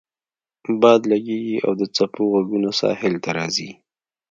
باد لګیږي او د څپو غږونه ساحل ته راځي